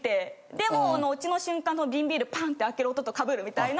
でもうオチの瞬間瓶ビールパンって開ける音とかぶるみたいな。